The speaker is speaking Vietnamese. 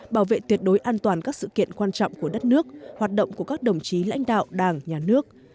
bảo vệ tuyệt đối an toàn các sự kiện quan trọng của đất nước hoạt động của các đồng chí lãnh đạo đảng nhà nước